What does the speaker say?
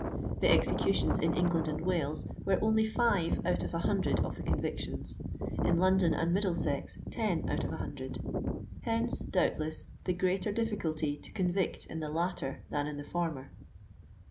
The executions in England and Wales were only five out of a hundred of the convictions; in London and Middlesex, ten out of a hundred. Hence, doubt less, the greater diiHculty to convict in the latter than in the former.